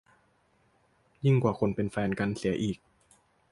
ยิ่งกว่าคนเป็นแฟนกันเสียอีก